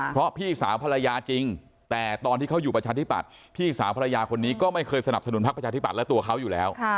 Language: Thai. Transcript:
เพราะพี่สาวภรรยาจริงแต่ตอนที่เขาอยู่ประชาธิปัตย์พี่สาวภรรยาคนนี้ก็ไม่เคยสนับสนุนพักประชาธิบัตย์และตัวเขาอยู่แล้ว